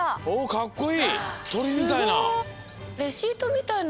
かっこいい！